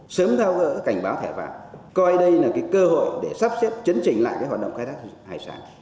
sớm theo cảnh báo thẻ vàng coi đây là cơ hội để sắp xếp chấn chỉnh lại hoạt động khai thác hải sản